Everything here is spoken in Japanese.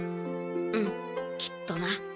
うんきっとな。